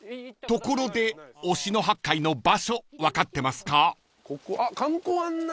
［ところで忍野八海の場所分かってますか？］